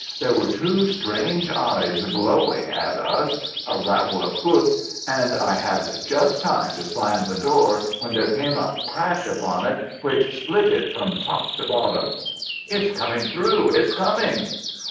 There were two strange eyes glowing at us, a rattle of hoofs, and I had just time to slam the door when there came a crash upon it which split it from top to bottom. "It's coming through! It's coming!"